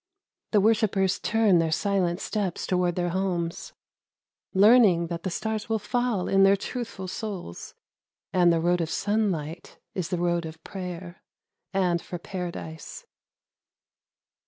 The worshippers turn their silent steps toward their homes, no The Loiuii Worshippers Learning that the stars will fall in their truthful souls, And the road of sunlight is the road of prayer, And for Paradise.